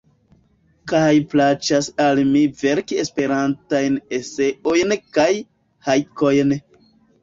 Kaj plaĉas al mi verki Esperantajn eseojn kaj hajkojn.